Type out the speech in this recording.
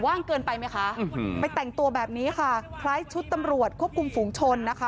ว่างเกินไปไหมคะไปแต่งตัวแบบนี้ค่ะคล้ายชุดตำรวจควบคุมฝูงชนนะคะ